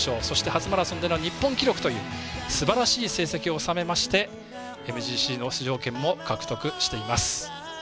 そして初マラソンでの日本記録というすばらしい成績を収めましてＭＧＣの出場権も獲得しています。